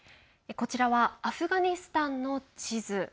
こちらはアフガニスタンの地図。